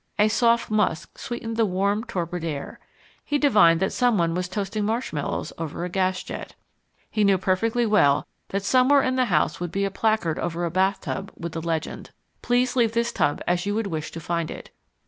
A soft musk sweetened the warm, torpid air: he divined that someone was toasting marshmallows over a gas jet. He knew perfectly well that somewhere in the house would be a placard over a bathtub with the legend: Please leave this tub as you would wish to find it.